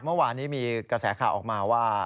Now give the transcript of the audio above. เมื่อวานนี้มีกระแสข่าวออกมาว่า